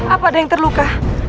apa ada yang terluka